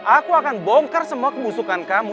aku akan bongkar semua kemusukan kamu